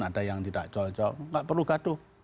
ada yang tidak cocok nggak perlu gaduh